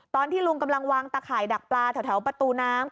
ตอนที่ลุงกำลังวางตะข่ายดักปลาแถวประตูน้ำ